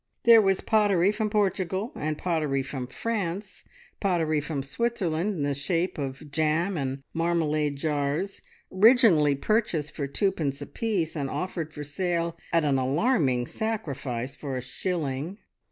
There was pottery from Portugal, and pottery from France, pottery from Switzerland in the shape of jam and marmalade jars, originally purchased for twopence apiece, and offered for sale at an alarming sacrifice for a shilling.